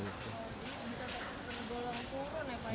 dolong turun apa ya